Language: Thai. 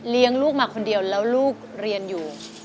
ลูกมาคนเดียวแล้วลูกเรียนอยู่